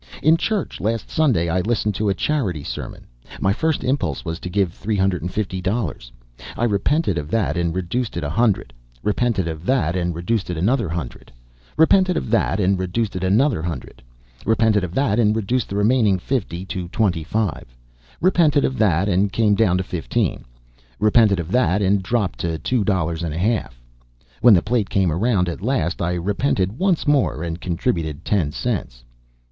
In church last Sunday I listened to a charity sermon. My first impulse was to give three hundred and fifty dollars; I repented of that and reduced it a hundred; repented of that and reduced it another hundred; repented of that and reduced it another hundred; repented of that and reduced the remaining fifty to twenty five; repented of that and came down to fifteen; repented of that and dropped to two dollars and a half; when the plate came around at last, I repented once more and contributed ten cents.